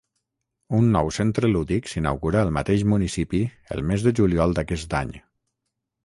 Un nou centre lúdic s'inaugurà al mateix municipi el mes de juliol d'aquest any.